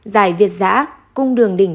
giải việt giã cung đường đỉnh